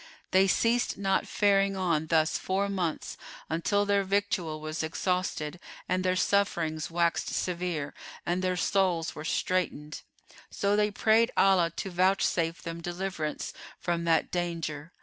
They ceased not faring on thus four months until their victual was exhausted and their sufferings waxed severe and their souls were straitened; so they prayed Allah to vouchsafe them deliverance from that danger.